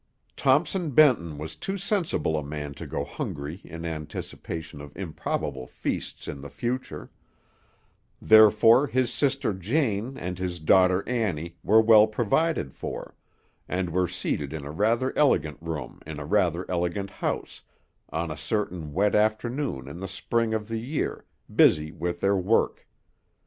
Thompson Benton was too sensible a man to go hungry in anticipation of improbable feasts in the future; therefore his sister Jane and his daughter Annie were well provided for; and were seated in a rather elegant room in a rather elegant house, on a certain wet afternoon in the spring of the year, busy with their work.